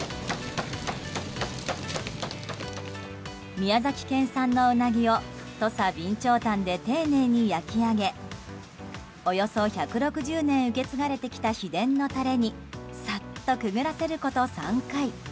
宮崎県産のウナギを土佐備長炭で丁寧に焼き上げおよそ１６０年受け継がれてきた秘伝のタレにさっとくぐらせること、３回。